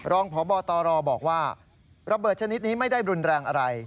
รองพบตรบอกว่าระเบิดชนิดนี้ไม่ได้รุนแรงอะไร